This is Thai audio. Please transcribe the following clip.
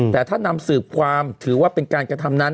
แต่ถ้านำสืบความถือว่าเป็นการกระทำนั้น